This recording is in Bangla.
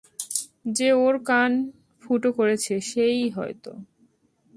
যে ওর কান ফুঁটো করেছে, সে-ই হয়তো।